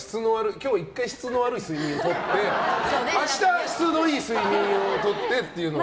今日１回、質の悪い睡眠をとって明日、質のいい睡眠をとってっていうのは。